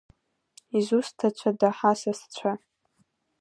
Изусҭацәада ҳасасцәа?